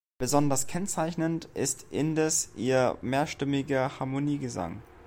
Besonders kennzeichnend ist indes ihr mehrstimmiger Harmoniegesang.